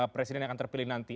presiden yang akan terpilih nanti